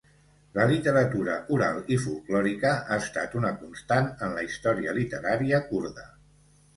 La literatura oral i folklòrica ha estat una constant en la història literària kurda.